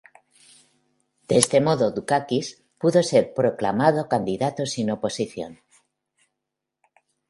De este modo, Dukakis pudo ser proclamado candidato sin oposición.